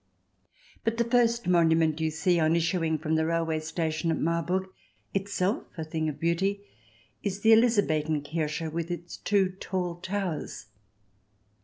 But the first monument you see on issuing from the railway station at Marburg — itself a thing of beauty — is the Elizabethen Kirche, with its two tall towers.